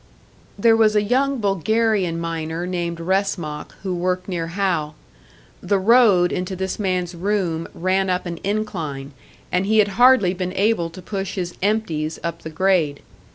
There was a young Bulgarian miner named Wresmak who worked near Hal. The road into this man's room ran up an incline, and he had hardly been able to push his "empties" up the grade.